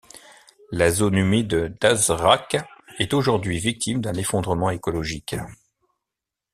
La zone humide d'Azraq est aujourd'hui victime d'un effondrement écologique.